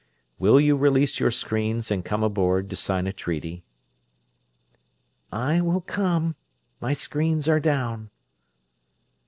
Will you release your screens and come aboard to sign a treaty?" "I will come; my screens are down."